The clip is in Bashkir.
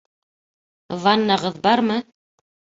Ваннағыҙ бармы?